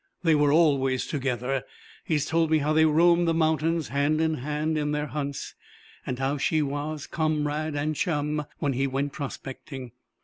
They were always together. He has told me how they roamed the mountains hand in hand in their hunts; how she was comrade and chum when he went prospecting.